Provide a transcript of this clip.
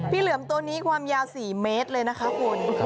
เหลือมตัวนี้ความยาว๔เมตรเลยนะคะคุณ